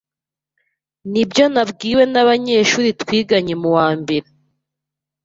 Nibyo nabwiwe nabanyeshuri twiganye muwambere